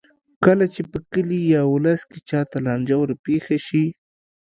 کله چې په کلي یا ولس کې چا ته لانجه ورپېښه شي.